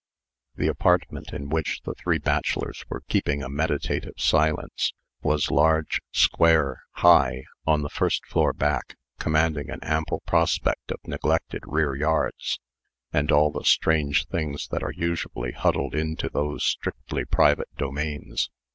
The apartment in which the three bachelors were keeping a meditative silence, was large, square, high, on the first floor back, commanding an ample prospect of neglected rear yards, and all the strange things that are usually huddled into those strictly private domains.